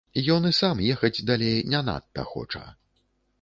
Ён і сам ехаць далей не надта хоча.